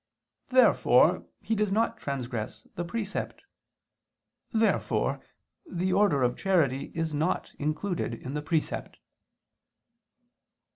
Therefore he does not transgress the precept. Therefore the order of charity is not included in the precept.